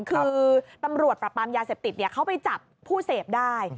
คือตำรวจปรับปรามยาเสพติดเขาไปจับผู้เสพได้